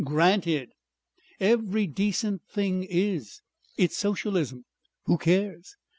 Granted! Every decent thing is. It's socialism. Who cares?